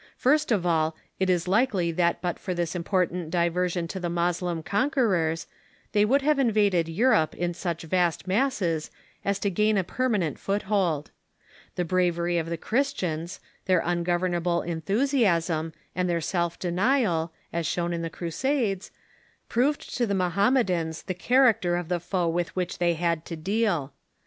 First of all, it is likely that but for this important diversion to the *"medln'ism^'" Moslem conquerors, they would have invaded Europe in such vast masses as to gain a per manent foothold. The bravery of the Christians, their un governable enthusiasm, and their self denial, as shown in the Crusades, proved to the Mohammedans the character of the foe with which they had to deal.